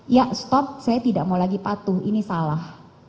ya stop saya tidak mau lagi patuh ini salah